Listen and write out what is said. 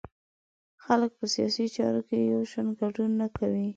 خلک په سیاسي چارو کې یو شان ګډون نه کوي.